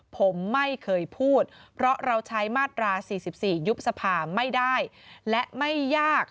ผมไม่เคยพูดเพราะเราใช้มาตรา๔๔ยุบสภาไม่ได้และไม่ยาก